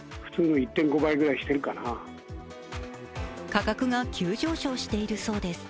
価格が急上昇しているそうです。